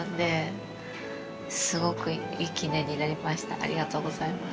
ありがとうございます。